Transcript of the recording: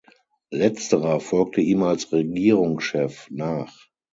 Letzterer folgte ihm als Regierungschef nach.